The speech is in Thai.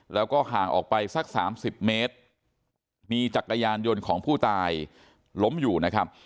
แล้วก็ห่างออกไปสักสามสิบเมตรมีจักรยานยนต์ของผู้ตายล้มอยู่นะครับ